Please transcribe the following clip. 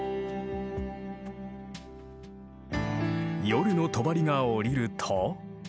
夜のとばりが下りると。